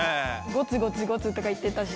ゴツゴツゴツとか言ってたし。